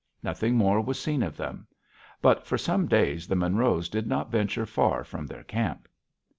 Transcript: Nothing more was seen of them. But for some days the Monroes did not venture far from their camp.